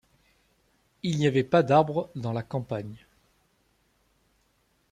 Il n’y avait pas d’arbres dans la campagne.